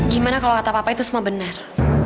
gimana kalau kata papa itu semua benar